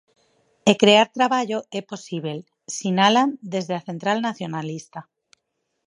E crear traballo é posíbel, sinalan desde a central nacionalista.